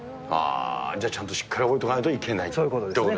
じゃあちゃんとしっかりと覚えておかないといけないということですね。